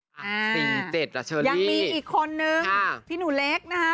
สี่เจ็ดแล้วเชอรี่ค่ะพี่หนูเล็กนะฮะยังมีอีกคนนึงค่ะ